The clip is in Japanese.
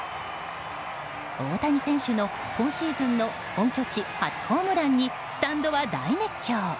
大谷選手の今シーズンの本拠地初ホームランにスタンドは大熱狂。